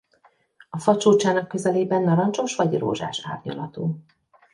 A fa csúcsának közelében narancsos vagy rózsás árnyalatú.